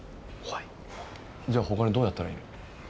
じゃあ他にどうやったらいい？